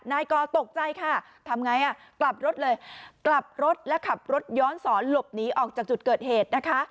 นายกอตกใจค่ะทำไงอ่ะกลับรถเลยกลับรถและขับรถย้อนสอนหลบหนีออกจากจุดเกิดเหตุนะคะ